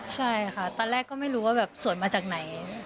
ใช่ค่ะตอนแรกก็ไม่รู้ว่าแบบสวยมาจากไหน